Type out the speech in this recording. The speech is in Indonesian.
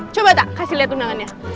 coba kak kasih liat undangannya